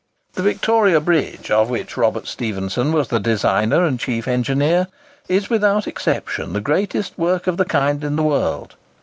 The Victoria Bridge, of which Robert Stephenson was the designer and chief engineer, is, without exception, the greatest work of the kind in the world.